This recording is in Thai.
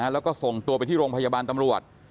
แล้วก็ส่งตัวไปที่โรงพยาบาลตำรวจ